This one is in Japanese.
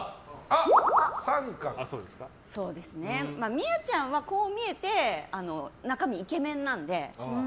宮ちゃんは、こう見えて中身イケメンなんで。